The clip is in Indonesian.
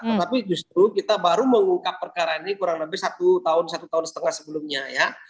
tetapi justru kita baru mengungkap perkara ini kurang lebih satu tahun satu tahun setengah sebelumnya ya